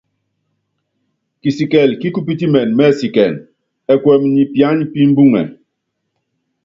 Kisikɛl ki kupítimɛn mɛ́ɛsikɛn ɛkuɛm nyɛ piany pi mbuŋɛ.